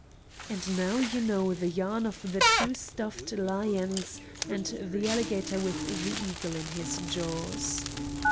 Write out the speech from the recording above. And now you know the yarn of the two stuffed lions and the alligator with the eagle in his jaws.